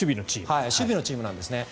守備のチームなんですね。